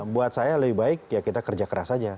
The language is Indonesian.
buat saya lebih baik ya kita kerja keras saja